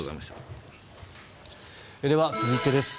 では、続いてです。